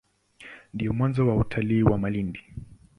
Ndio mwanzo wa utalii wa Malindi.